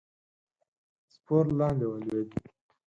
سپور لاندې ولوېد.